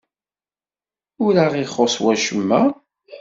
Ur aɣ-ixuṣṣ wacemma?